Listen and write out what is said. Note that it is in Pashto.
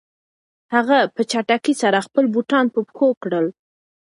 هغه په چټکۍ سره خپلې بوټان په پښو کړل.